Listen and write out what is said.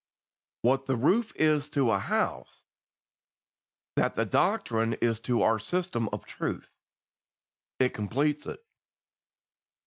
What the roof is to a house, that the doctrine is to our system of truth. It completes it.